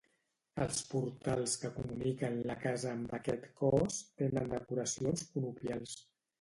Els portals que comuniquen la casa amb aquest cos tenen decoracions conopials.